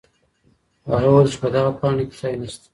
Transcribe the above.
هغه وویل چي په دغه پاڼې کي ځای نسته.